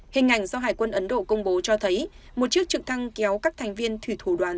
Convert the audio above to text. hình ảnh do hải quân ấn độ công bố cho thấy một chiếc trực thăng kéo các thành viên thủy thủ đoàn